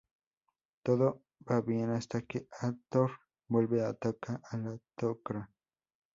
Todo va bien hasta que Hathor vuelve y ataca a la Tok'ra.